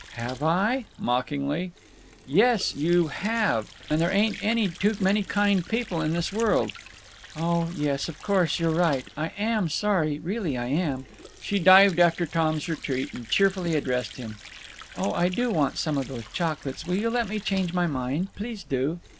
"Have I?" mockingly. "Yes, you have. And there ain't any too many kind people in this world." "Oh yes, of course you' re right. I am sorry, really I am." She dived after Tom's retreat and cheerfully addressed him: "Oh, I do want some of those chocolates. Will you let me change my mind? Please do."